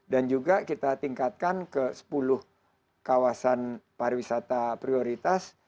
dan juga kita tingkatkan ke sepuluh kawasan pariwisata prioritas